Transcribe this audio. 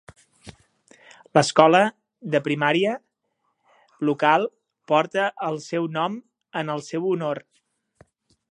L'escola de primària local porta el seu nom en el seu honor.